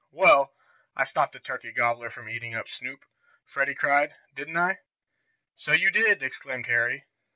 "Well, I stopped the turkey gobbler from eating up Snoop," Freddie cried. "Didn't I?" "So you did!" exclaimed Harry.